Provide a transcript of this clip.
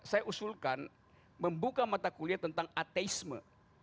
saya usulkan membuka mata kuliah tentang ateisme